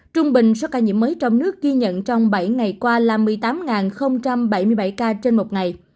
trung bình số ca nhiễm mới trong nước ghi nhận trong bảy ngày qua là một mươi tám bảy mươi bảy ca trên một ngày